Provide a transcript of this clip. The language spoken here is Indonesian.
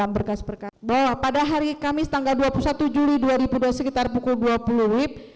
bahwa pada hari kamis tanggal dua puluh satu juli dua ribu dua puluh sekitar pukul dua puluh wib